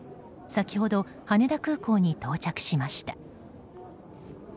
先ほど、羽田空港に到着しました。